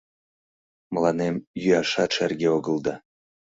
Мыланем йӱашат шерге огыл да